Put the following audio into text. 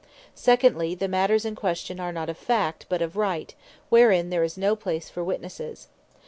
Secondly, the matters in question are not of Fact, but of Right, wherein there is no place for Witnesses.